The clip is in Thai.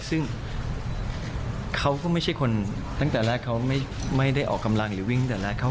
ซึ่งเขาก็ไม่ใช่คนตั้งแต่แรกเขาไม่ได้ออกกำลังหรือวิ่งตั้งแต่แรก